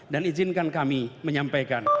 dan izinkan kami menyampaikan